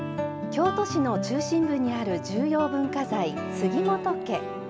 京都市の中心部にある重要文化財・杉本家。